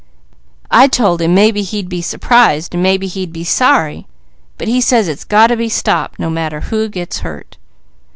I told him maybe he'd be surprised, and maybe he'd be sorry; but he says it's got to be stopped, no matter who gets hurt."